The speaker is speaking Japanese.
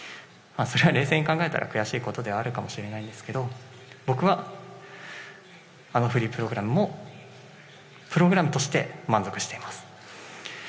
それは冷静に考えたら悔しいことではあるかもしれないんですけど僕はあのフリープログラムもプログラムとして満足しています。